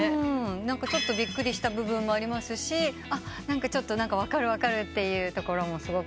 ちょっとびっくりした部分もありますし「分かる分かる」ってところもすごく。